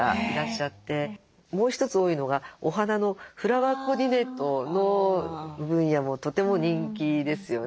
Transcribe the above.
もう一つ多いのがお花のフラワーコーディネートの分野もとても人気ですよね。